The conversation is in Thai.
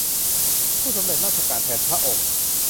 ผู้สำเร็จราชการแทนพระองค์